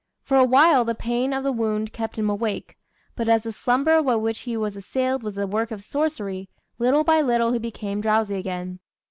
For awhile the pain of the wound kept him awake; but as the slumber by which he was assailed was the work of sorcery, little by little he became drowsy again.